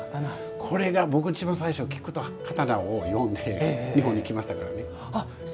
僕は一番最初「菊と花」を読んで日本に来ましたからね。